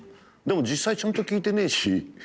でも実際ちゃんと聴いてねえし。